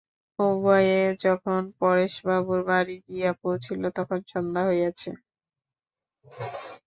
উভয়ে যখন পরেশবাবুর বাড়ি গিয়া পৌঁছিল তখন সন্ধ্যা হইয়াছে।